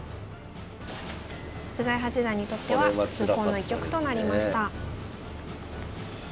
菅井八段にとっては痛恨の一局となりました。